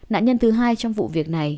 nạn nhân thứ hai trong vụ việc này